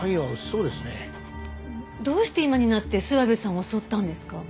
どうして今になって諏訪部さんを襲ったんですか？